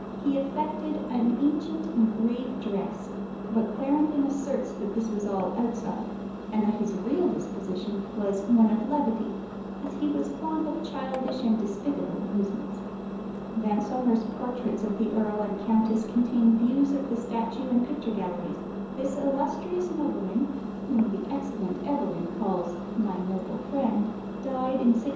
He affected an ancient and grave dress; but Clarendon asserts that this was all outside, and that his real disposition was "one of levity," as he was fond of childish and despicable amusements. Vansomer's portraits of the earl and countess contain views of the statue and picture galleries. This illustrious nobleman, whom the excellent Evelyn calls "my noble friend," died in 1646.